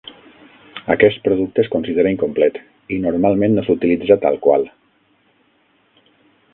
Aquest producte es considera incomplet i normalment no s'utilitza tal qual.